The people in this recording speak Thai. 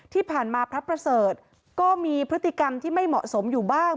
ที่ผ่านมาพระประเสริฐก็มีพฤติกรรมที่ไม่เหมาะสมอยู่บ้าง